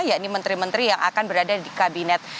yakni menteri menteri yang akan berada di kabinet